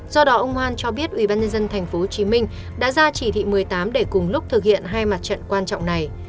do đó ông hoan cho biết ubnd tp hcm đã ra chỉ thị một mươi tám để cùng lúc thực hiện hai mặt trận quan trọng này